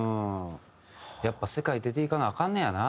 やっぱ世界出ていかなアカンねやな。